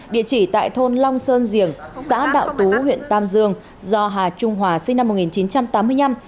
địa chỉ tại thôn long sơn diểng xã đạo tú huyện tam dương do hà trung hòa sinh năm một nghìn chín trăm tám mươi năm